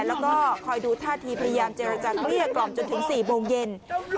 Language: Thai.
แล้วก็คอยดูท่าทีพยายามก็กรุ่งจนถึง๔โมงเย็น